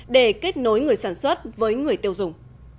để kết nối người sản xuất với người tiêu dùng